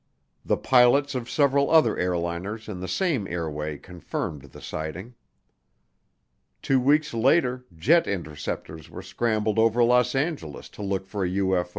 The pilots of several other airliners in the same airway confirmed the sighting. Two weeks later jet interceptors were scrambled over Los Angeles to look for a UFO.